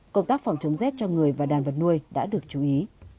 công tác phòng chống rét cho người và đàn vật nuôi đã được chú ý